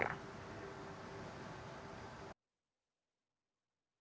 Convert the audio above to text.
sekretaris fraksi partai golkar